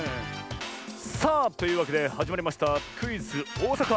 さあというわけではじまりましたクイズ「おおさか」。